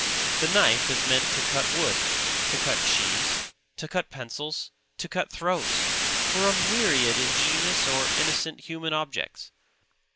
The knife is meant to cut wood, to cut cheese, to cut pencils, to cut throats; for a myriad ingenious or innocent human objects.